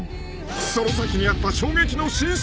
［その先にあった衝撃の真相とは！？］